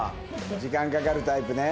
時間かかるタイプね。